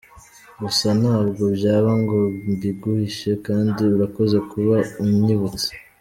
Gusa ntabwo byaba ngo mbiguhishe, kandi urakoze kuba unyibutse.